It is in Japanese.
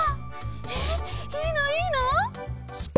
えっいいのいいの！？